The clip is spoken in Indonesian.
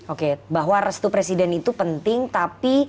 oke bahwa restu presiden itu penting tapi